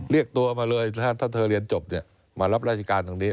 เรียกตัวมาเลยถ้าเธอเรียนจบมารับราชการตรงนี้